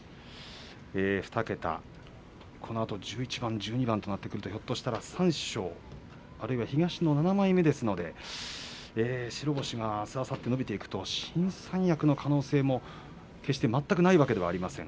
２桁、このあと１１番１２番となると三賞、阿炎は東の７枚目なので白星ではあす、あさって伸びると新三役の可能性も決して全くないわけではありません。